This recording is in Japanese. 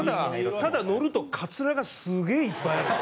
ただ乗るとカツラがすげえいっぱいあるよ。